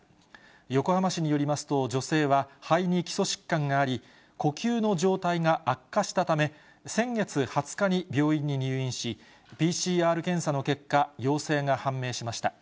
横浜市によりますと、女性は肺に基礎疾患があり、呼吸の状態が悪化したため、先月２０日に病院に入院し、ＰＣＲ検査の結果、陽性が判明しました。